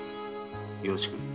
よろしく。